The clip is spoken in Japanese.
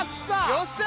よっしゃ！